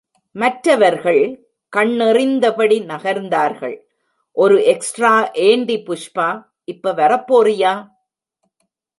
மற்றவர்கள் கண்ணெறிந்தபடி நகர்ந்தார்கள், ஒரு எக்ஸ்ட்ரா ஏண்டி புஷ்பா, இப்ப வரப்போறியா?